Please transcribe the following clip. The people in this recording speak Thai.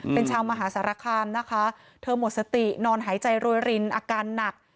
เป็นชาวมหาสารคามนะคะเธอหมดสตินอนหายใจโรยรินอาการหนัก